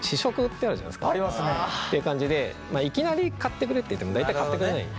っていう感じでいきなり買ってくれって言っても大体買ってくれない。